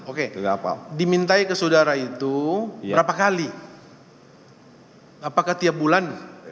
oke dimintai ke saudara itu berapa kali apakah tiap bulan